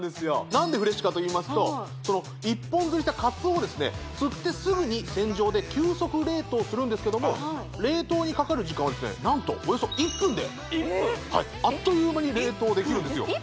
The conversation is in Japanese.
何でフレッシュかといいますと一本釣りした鰹をですね釣ってすぐに船上で急速冷凍するんですけども冷凍にかかる時間はですね何とおよそ１分であっという間に冷凍できるんですよ